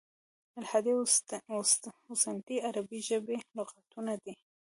"الحاد او سنتي" عربي ژبي لغتونه دي.